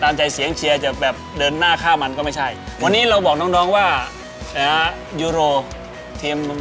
มีเกียรติดี